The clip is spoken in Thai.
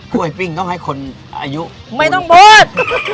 ้วยปิ้งต้องให้คนอายุไม่ต้องบูด